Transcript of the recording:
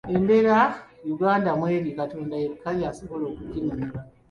Embeera Uganda mw'eri Katonda yekka y'asobola okuginunula.